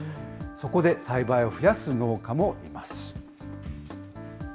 そこで栽培を増やす農家もいます。